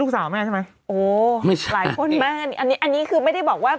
สาวแม่ใช่ไหมโอ้ไม่ใช่หลายคนแม่อันนี้อันนี้คือไม่ได้บอกว่า